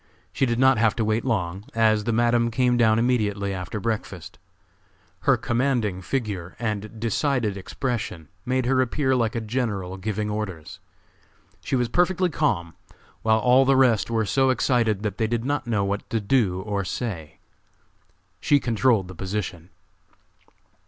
She did not have to wait long, as the Madam came down immediately after breakfast. Her commanding figure and decided expression made her appear like a general giving orders. She was perfectly calm, while all the rest were so excited that they did not know what to do or say. She controlled the position.